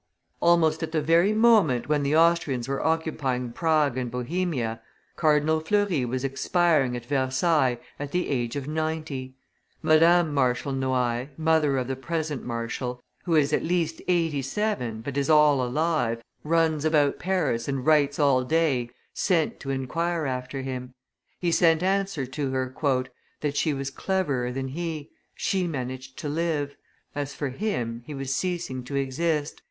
Almost at the very moment when the Austrians were occupying Prague and Bohemia, Cardinal Fleury was expiring, at Versailles, at the age of ninety. Madame Marshal Noailles, mother of the present marshal, who is at least eighty seven, but is all alive, runs about Paris and writes all day, sent to inquire after him. He sent answer to her, "that she was cleverer than he she managed to live; as for him, he was ceasing to exist.